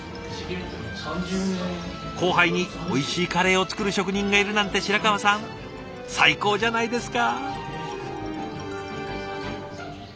後輩においしいカレーを作る職人がいるなんて白川さん最高じゃないですか。